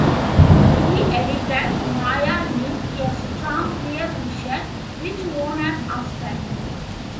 He edited "Maya Lin: A Strong Clear Vision" which won an Oscar.